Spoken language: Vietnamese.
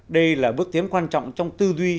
điều tiến quan trọng trong tư duy